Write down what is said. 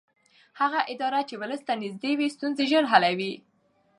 هغه اداره چې ولس ته نږدې وي ستونزې ژر حلوي